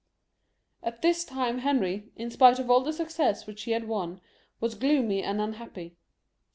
At this time Henry, in spite of all the success which he had won, was gloomy and unhappy.